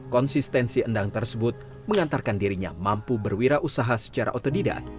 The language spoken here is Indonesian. konsistensi endang tersebut mengantarkan dirinya mampu berwirausaha secara otodidak